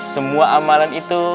semua amalan itu